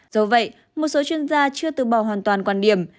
dẫu vậy một số chuyên gia chưa từ bỏ hoàn toàn quan điểm